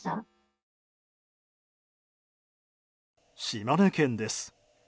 島根県です。